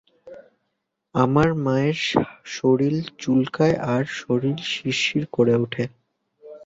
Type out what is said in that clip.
আমার মায়ের শরীর চুলকায় আর শরীর শিরশির করে উঠে।